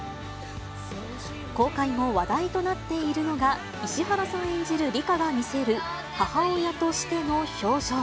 公開後、話題となっているのが、石原さん演じる梨花が見せる母親としての表情。